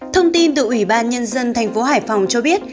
thông tin từ ủy ban nhân dân tp hải phòng cho biết